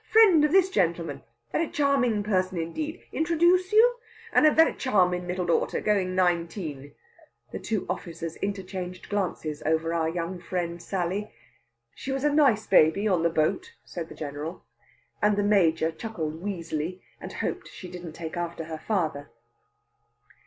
Friend of this gentleman. Very charmin' person indeed! Introdooce you? And a very charmin' little daughter, goin' nineteen." The two officers interchanged glances over our young friend Sally. "She was a nice baby on the boat," said the General; and the Major chuckled wheezily, and hoped she didn't take after her father.